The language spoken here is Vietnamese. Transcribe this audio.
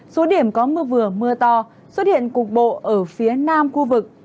số điểm có mưa vừa mưa to xuất hiện cục bộ ở phía nam khu vực